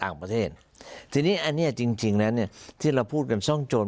ต่างประเทศทีนี้อันนี้จริงและเนี่ยที่เราพูดกันทรงจน